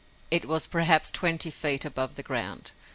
It was perhaps twenty feet above the ground.